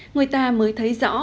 người ta mới thấy rõ